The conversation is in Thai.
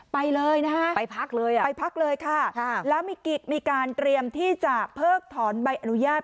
ไปเลยนะฮะไปพักเลยอ่ะไปพักเลยค่ะแล้วมีการเตรียมที่จะเพิกถอนใบอนุญาต